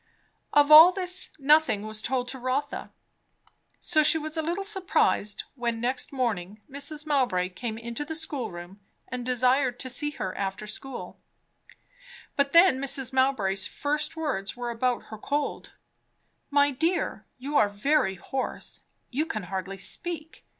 Of all this nothing was told to Rotha. So she was a little surprised, when next morning Mrs. Mowbray came into the schoolroom and desired to see her after school. But then Mrs. Mowbray's first words were about her cold. "My dear, you are very hoarse! You can hardly speak.